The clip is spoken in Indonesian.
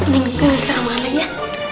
minggu sama lagi ya